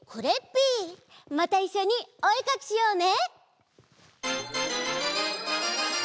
またいっしょにおえかきしようね！